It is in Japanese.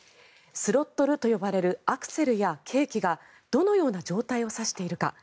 スロットルと呼ばれるアクセルや計器がどのような状態を指しているか。